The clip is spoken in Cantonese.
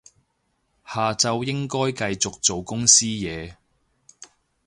下晝應該繼續做公司嘢